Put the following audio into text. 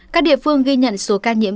các địa phương ghi nhận số ca nhiễm